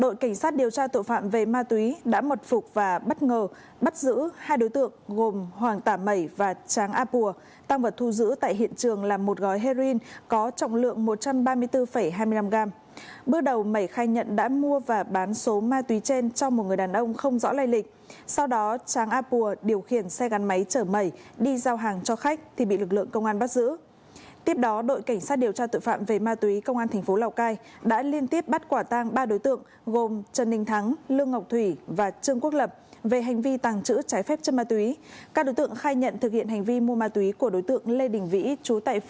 các đối tượng khai nhận thực hiện hành vi mua ma túy của đối tượng lê đình vĩ trú tại phương duyên hải thành phố lào cai